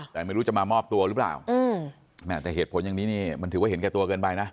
แต่ไม่รู้จะมามอบตัวหรือเปล่าแม่แต่เหตุผลอย่างนี้นี่มันถือว่าเห็นแก่ตัวเกินไปนะ